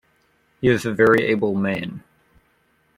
He is a very able man.